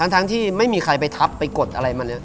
ทั้งที่ไม่มีใครไปทับไปกดอะไรมาเลย